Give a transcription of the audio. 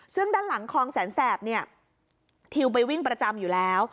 ซึ่งด้านหลังคลองแสนแสบเนี่ยทิวไปวิ่งประจำอยู่แล้ว